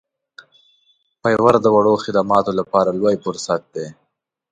فیور د وړو خدماتو لپاره لوی فرصت دی.